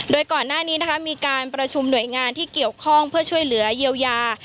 โดยก่อนหน้านี้นะคะมีการประชุมหน่วยงานที่เกี่ยวข้องเพื่อช่วยเหลือเยียวยา